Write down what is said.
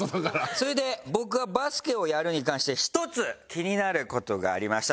それで僕はバスケをやるに関して１つ気になる事がありました。